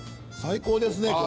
最高ですね。